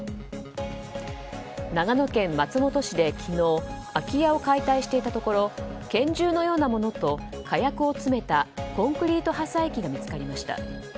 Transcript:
長野県松本市で昨日空き家を解体していたところ拳銃のようなものと火薬を詰めたコンクリート破砕器が見つかりました。